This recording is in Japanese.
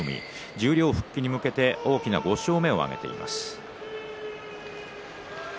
十両復帰に向けて大きな５勝目を挙げています。